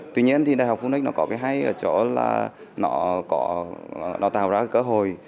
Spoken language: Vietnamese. tuy nhiên đại học phunix có cái hay ở chỗ là nó tạo ra cơ hội